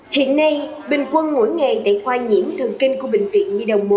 hiện nay bình quân mỗi ngày tại khoa nhiễm thường kinh của bệnh viện di đồng một